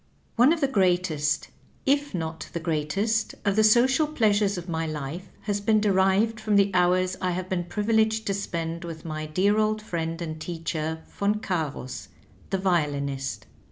One of the greatest, if not the greatest, of the so cial pleasures of my life has been derived from the hours I have been privileged to spend with my dear old friend and teacher. Yon Cams, the violinist.